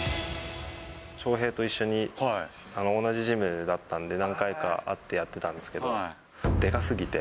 翔平と一緒に同じジムだったんで、何回か会ってやってたんですけど、でかすぎて。